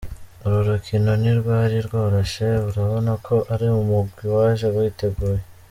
Uru rukino ntirwari rworoshe, urabona ko ari umugwi waje witeguye.